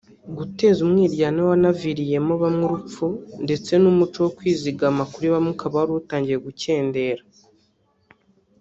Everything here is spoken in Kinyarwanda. guteza umwiryane wanaviriyemo bamwe urupfu ndetse n’umuco wo kwizigama kuri bamwe ukaba wari utangiye gucyendera